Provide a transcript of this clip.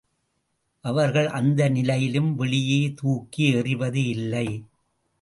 அவர்கள் அந்த நிலையிலும் வெளியே தூக்கி எறிவது இல்லை.